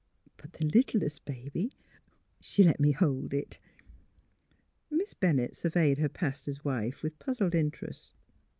But the littlest baby ... She let me hold it. ..." Miss Bennett surveyed her pastor's wife with puzzled interest.